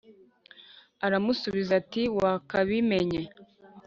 Aramusubiza ati “Wakabimenye.”